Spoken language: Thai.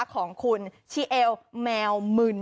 ของคุณชีเอลแมวมึน